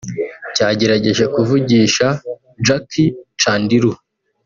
cyagerageje kuvugisha Jackie Chandiru